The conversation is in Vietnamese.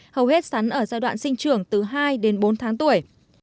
hầu hết sắn ở giai đoạn sinh trưởng từ hai đến bốn tháng tuổi